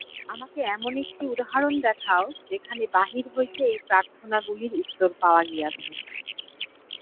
আমাকে এমন একটি উদাহরণ দেখাও, যেখানে বাহির হইতে এই প্রার্থনাগুলির উত্তর পাওয়া গিয়াছে।